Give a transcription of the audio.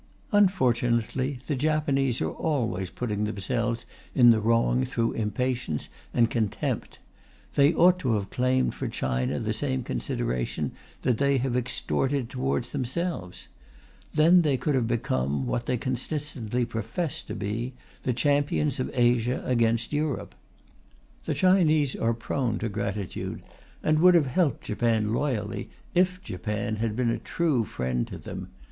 Unfortunately, the Japanese are always putting themselves in the wrong through impatience and contempt. They ought to have claimed for China the same consideration that they have extorted towards themselves; then they could have become, what they constantly profess to be, the champions of Asia against Europe. The Chinese are prone to gratitude, and would have helped Japan loyally if Japan had been a true friend to them.